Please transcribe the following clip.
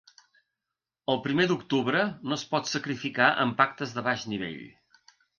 El primer d’octubre no es pot sacrificar amb pactes de baix nivell.